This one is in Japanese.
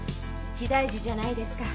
一大事じゃないですか。